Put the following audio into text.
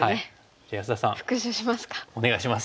じゃあ安田さんお願いします。